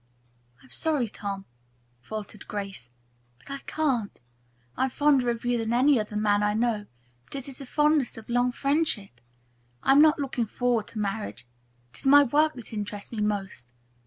"I'm sorry, Tom," faltered Grace, "but I can't. I am fonder of you than any other man I know, but it is the fondness of long friendship. I'm not looking forward to marriage. It is my work that interests me most.